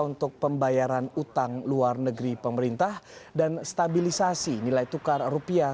untuk pembayaran utang luar negeri pemerintah dan stabilisasi nilai tukar rupiah